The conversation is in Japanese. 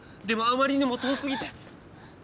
でもあまりにも遠すぎて。